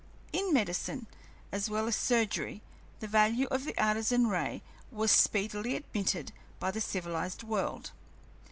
In medicine, as well as surgery, the value of the Artesian ray was speedily admitted by the civilized world.